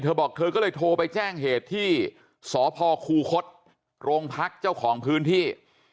เธอบอกเธอก็เลยโทรไปแจ้งเหตุที่สพคูคศโรงพักเจ้าของพื้นที่